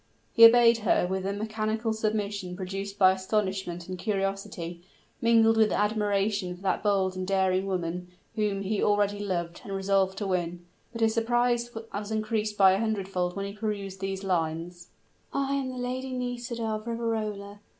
He obeyed her with the mechanical submission produced by astonishment and curiosity, mingled with admiration for that bold and daring woman, whom he already loved and resolved to win: but his surprise was increased a hundred fold, when he perused these lines: "I am the Lady Nisida of Riverola.